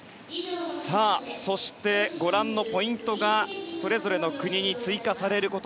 そして、ご覧のポイントがそれぞれの国に追加されます。